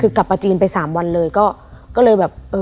คือกลับมาจีนไปสามวันเลยก็เลยแบบเออ